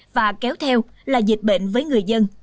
và kéo theo là dịch bệnh với người dân